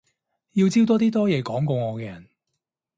要招多啲多嘢講過我嘅人